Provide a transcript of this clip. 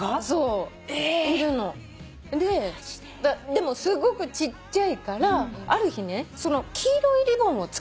でもすごくちっちゃいからある日ね黄色いリボンをつけてたのね。